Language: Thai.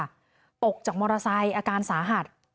ตกจากมอเตอร์ไซค์อาการสาหัส